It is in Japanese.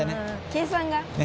計算が。